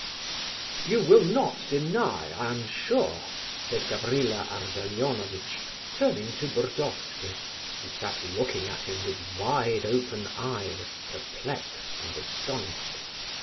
IX. "You will not deny, I am sure," said Gavrila Ardalionovitch, turning to Burdovsky, who sat looking at him with wide open eyes, perplexed and astonished.